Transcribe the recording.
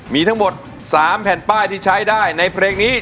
มีทั้งหมด๓แผ่นป้ายที่ใช้ได้ในเพลงนี้